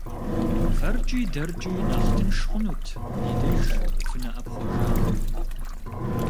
ФэркӀи дэркӀи нэхъ тынш хъунут ди деж фынэӀэпхъуэжамэ.